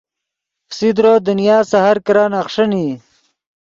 فسیدرو دنیا سے ہر کرن اخݰین ای